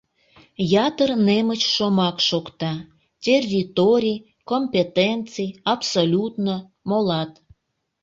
Ятыр немыч шомак шокта: «территорий», «компетенций», «абсолютно», молат.